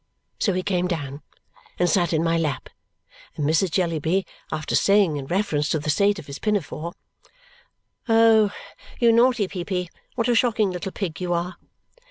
So he came down and sat in my lap; and Mrs. Jellyby, after saying, in reference to the state of his pinafore, "Oh, you naughty Peepy, what a shocking little pig you are!"